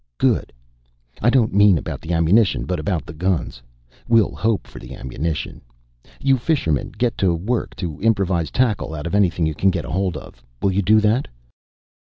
"Good! I don't mean about the ammunition, but about the guns. We'll hope for the ammunition. You fishermen get to work to improvise tackle out of anything you can get hold of. Will you do that?"